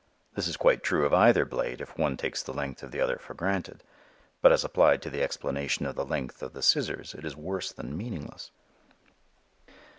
This is quite true of either blade if one takes the length of the other for granted, but as applied to the explanation of the length of the scissors it is worse than meaningless.